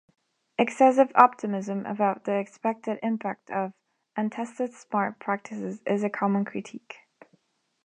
Excessive optimism about the expected impact of untested smart practices is a common critique.